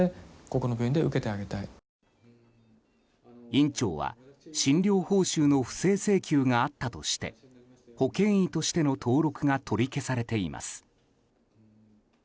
院長は、診療報酬の不正請求があったとして保険医としての登録が取り消されています。